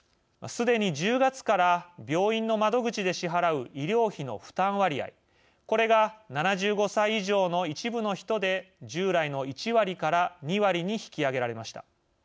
すでに１０月から病院の窓口で支払う医療費の負担割合、これが７５歳以上の一部の人で従来の１割から２割に引き上げられました。